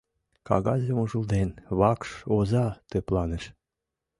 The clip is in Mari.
Кагазым ужылден, вакш оза тыпланыш.